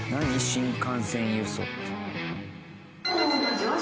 「新幹線輸送」って。